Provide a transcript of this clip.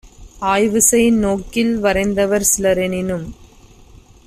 ஆய்வுசெய் நோக்கில் வரைந்தவர் சிலரெனினும்